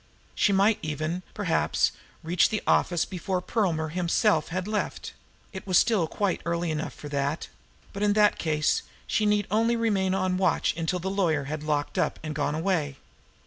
She might even, perhaps, reach the office before Perlmer himself had left it was still quite early enough for that but in that case she need only remain on watch until the lawyer had locked up and gone away.